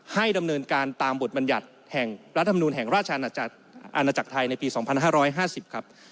ให้ดำเนินการตามบทบรรยัติแห่งรัฐธรรมนูลแห่งราชอาณาจักรไทยในปี๒๕๕๐ครับ